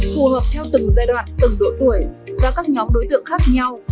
phù hợp theo từng giai đoạn từng độ tuổi và các nhóm đối tượng khác nhau